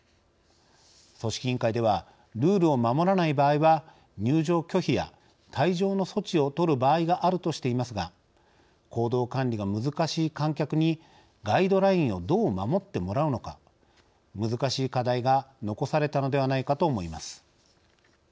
組織委員会ではルールを守らない場合は入場拒否や退場の措置を取る場合があるとしていますが行動管理が難しい観客にガイドラインをどう守ってもらうのか難しい課題が残されたのではないかと思います。